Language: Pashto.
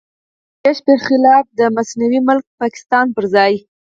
د وېش پر خلاف د مصنوعي ملک پاکستان پر ځای.